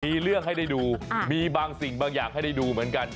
มีเรื่องให้ได้ดูมีบางสิ่งบางอย่างให้ได้ดูเหมือนกัน